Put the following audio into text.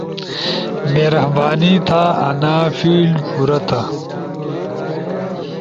مہربانی تھا انا فیلڈ پورا تھا۔